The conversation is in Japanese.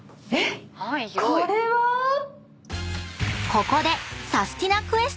［ここで］